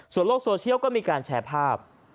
โลกโซเชียลก็มีการแชร์ภาพ